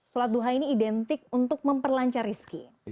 sholat duha ini identik untuk memperlancarizki